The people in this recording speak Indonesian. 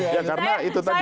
ya karena itu tadi